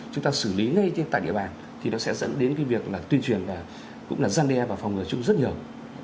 chúng ta xử lý ngay tại địa bàn thì nó sẽ dẫn đến cái việc tuyên truyền cũng là gian đe và phòng ngừa chung rất nhiều